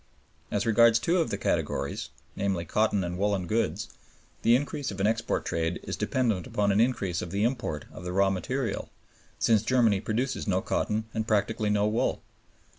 As regards two of the categories, namely, cotton and woolen goods, the increase of an export trade is dependent upon an increase of the import of the raw material, since Germany produces no cotton and practically no wool.